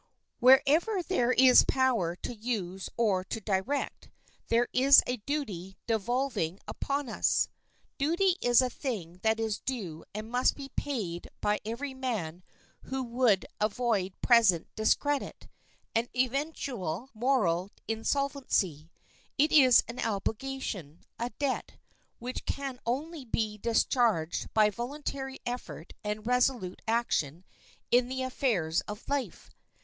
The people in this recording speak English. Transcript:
Wherever there is power to use or to direct, there is a duty devolving upon us. Duty is a thing that is due and must be paid by every man who would avoid present discredit, and eventual moral insolvency. It is an obligation, a debt, which can only be discharged by voluntary effort and resolute action in the affairs of life.